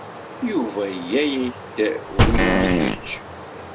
Yuba iga-ak-d wi i kečč.